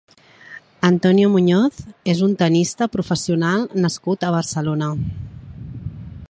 Antonio Muñoz és un tennista professional nascut a Barcelona.